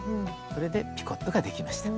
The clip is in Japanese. これでピコットができました。